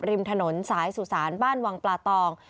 ริมถนนสายสุสานบ้านวังปลาตอง